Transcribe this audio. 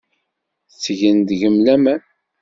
Ttgen deg-m laman.